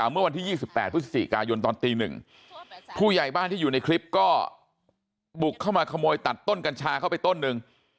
เมื่อวันที่๒๘พฤศจิกายนตอนตี๑ผู้ใหญ่บ้านที่อยู่ในคลิปก็บุกเข้ามาขโมยตัดต้นกัญชาเข้าไปต้นหนึ่ง